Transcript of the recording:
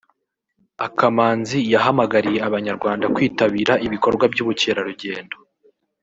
Akamanzi yahamagariye Abanyarwanda kwitabira ibikorwa by’ubukerarugendo